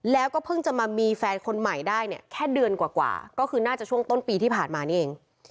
แล้วก็เพิ่งจะมามีแฟนคนใหม่ได้เนี่ยแค่เดือนกว่าก็คือน่าจะช่วงต้นปีที่ผ่านมานี่เอง